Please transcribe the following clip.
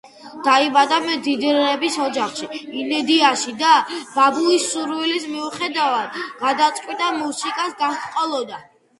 დაიბადა მდიდრების ოჯახში, ინდიანაში და, ბაბუის სურვილის მიუხედავად, გადაწყვიტა, მუსიკას გაჰყოლოდა.